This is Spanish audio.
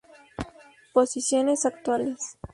Posiciones Actuales.